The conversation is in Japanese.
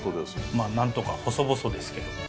まあなんとか細々ですけど。